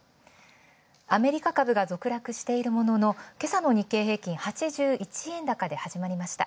アメリカ株が続落し、今朝の日経平均８１円高で始まりました。